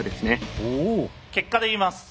結果で言います。